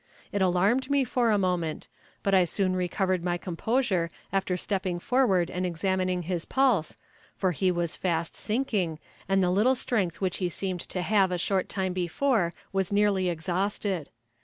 It alarmed me for a moment, but I soon recovered my composure after stepping forward and examining his pulse, for he was fast sinking, and the little strength which he seemed to have a short time before was nearly exhausted.